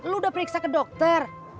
lu udah periksa ke dokter